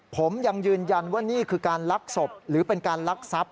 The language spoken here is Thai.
ผมยังยืนยันว่านี่คือการลักศพหรือเป็นการลักทรัพย